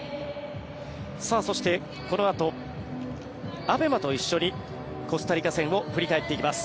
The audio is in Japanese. そして、このあとＡＢＥＭＡと一緒にコスタリカ戦を振り返っていきます。